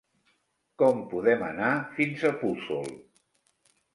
Com podem anar fins a Puçol?